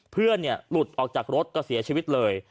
เพื่อนหลุดออกจากรถก็เสียชีวิตเลย